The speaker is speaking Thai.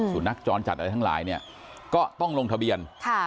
ศูนักจรจัดอะไรทั้งหลายก็ต้องลงทะเบียน